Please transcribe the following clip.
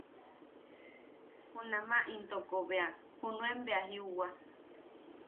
Junama intoko bea junuen bea jiuwa.